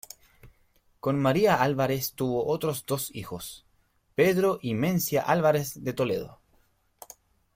Con María Álvarez tuvo otros dos hijos, Pedro y Mencía Álvarez de Toledo.